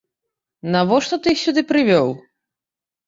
Навошта ты іх сюды прывёў?